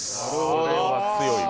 これは強いわ。